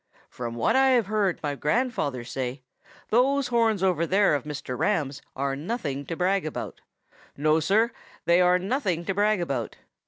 From what I have heard my grandfather say, those horns over there of Mr. Ram's are nothing to brag about. No, Sir, they are nothing to brag about.